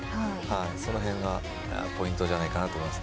そのへんがポイントじゃないかなと思います。